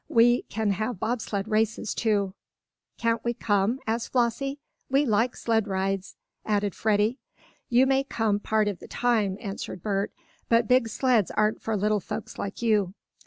"We can have bob sled races, too." "Can't we come?" asked Flossie. "We like sled rides," added Freddie. "You may come part of the time," answered Bert. "But big sleds aren't for little folks like you."